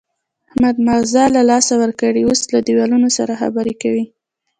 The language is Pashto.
احمد ماغزه له لاسه ورکړي، اوس له دېوالونو سره خبرې کوي.